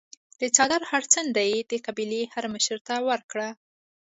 د څادر هره څنډه یې د قبیلې هرمشر ته ورکړه.